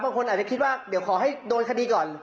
บางคนอาจจะคิดว่าเดี๋ยวขอให้โดนคดีก่อน